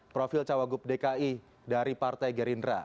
profil cawagup dki dari partai gerindra